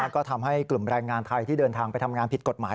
ก็ทำให้กลุ่มแรงงานไทยที่เดินทางไปทำงานผิดกฎหมาย